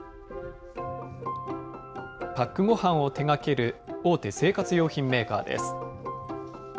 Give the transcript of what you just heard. パックごはんを手がける、大手生活用品メーカーです。